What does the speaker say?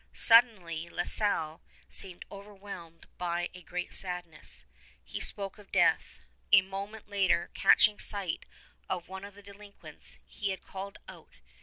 Suddenly La Salle seemed overwhelmed by a great sadness. He spoke of death. A moment later, catching sight of one of the delinquents, he had called out.